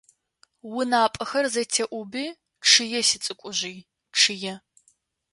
УнапӀэхэр зэтеӀуби, чъые сицӀыкӀужъый, чъые.